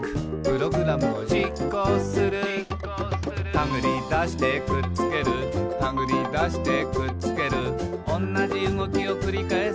「たぐりだしてくっつけるたぐりだしてくっつける」「おんなじうごきをくりかえす」